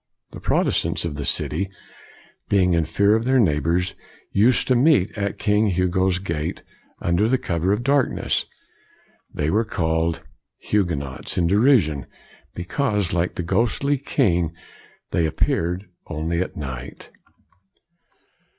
The Protes tants of the city, being in fear of their neighbors, used to meet at King Hugo's gate, under the cover of darkness. They were called Huguenots in derision, be cause like the ghostly king they appeared only at night.